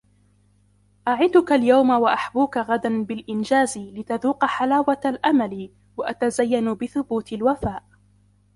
أَعِدُك الْيَوْمَ وَأَحْبُوك غَدًا بِالْإِنْجَازِ لِتَذُوقَ حَلَاوَةَ الْأَمَلِ وَأَتَزَيَّنُ بِثُبُوتِ الْوَفَاءِ